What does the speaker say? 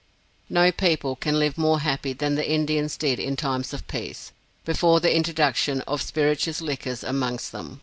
No people can live more happy than the Indians did in times of peace, before the introduction of spirituous liquors amongst them.